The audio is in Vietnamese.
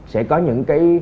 sẽ có những cái